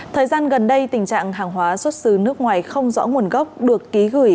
thời gian gần đây tình trạng hàng hóa xuất xứ nước ngoài không rõ nguồn gốc được ký gửi